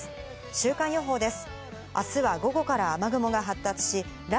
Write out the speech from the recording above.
週間予報です。